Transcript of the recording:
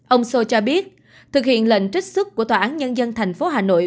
ông sô cho biết thực hiện lệnh trích xuất của tòa án nhân dân thành phố hà nội